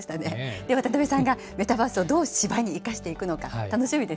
で、渡辺さんがメタバースをどう芝居に生かしていくのか、楽しみです